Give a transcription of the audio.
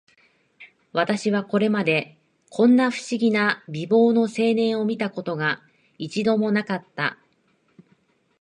私はこれまで、こんな不思議な美貌の青年を見た事が、一度も無かった